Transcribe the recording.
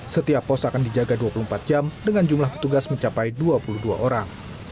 setiap pos akan dijaga dua puluh empat jam dengan jumlah petugas mencapai dua puluh dua orang